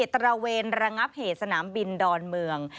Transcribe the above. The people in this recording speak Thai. ตระเวนระงับเหตุสนามบินดอนเมือง